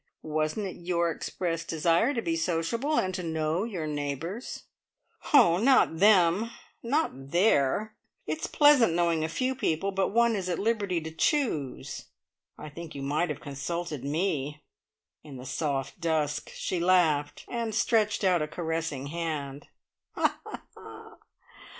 Wasn't it your express desire to be sociable, and to know your neighbours?" "Oh, not them not there! It's pleasant knowing a few people, but one is at liberty to choose. I think you might have consulted me!" In the soft dusk she laughed, and stretched out a caressing hand.